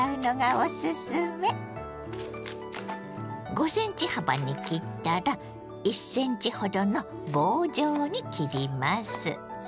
５ｃｍ幅に切ったら１ｃｍほどの棒状に切ります。